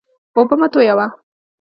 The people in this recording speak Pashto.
اوبه مه تویوه.